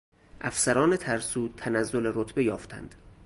افسران ترسو تنزل رتبه یافتند.